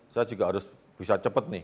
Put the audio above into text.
saya juga harus bisa cepat nih